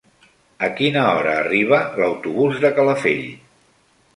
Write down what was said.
A quina hora arriba l'autobús de Calafell?